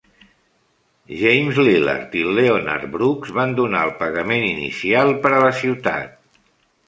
James Lillard i Leonard Brooks van donar el pagament inicial per a la ciutat.